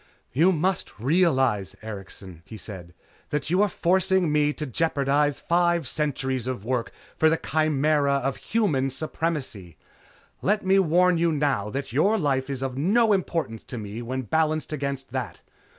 "You must realize, Erikson," he said, "That you are forcing me to jeopardize five centuries of work for the chimera of Human Supremacy. Let me warn you now that your life is of no importance to me when balanced against that.